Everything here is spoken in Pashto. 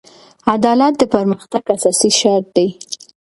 عدالت د پرمختګ اساسي شرط دی.